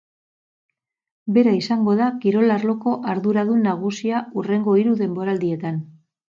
Bera izango da kirol arloko arduradun nagusia hurrengo hiru denboraldietan.